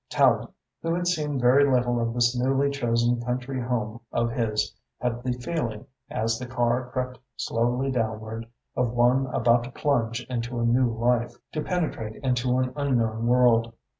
Tallente, who had seen very little of this newly chosen country home of his, had the feeling, as the car crept slowly downward, of one about to plunge into a new life, to penetrate into an unknown world.